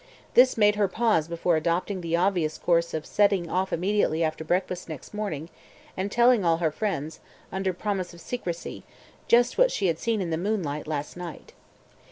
This made her pause before adopting the obvious course of setting off immediately after breakfast next morning, and telling all her friends, under promise of secrecy, just what she had seen in the moonlight last night.